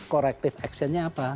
korektif actionnya apa